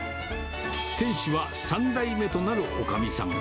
店主は３代目となるおかみさん。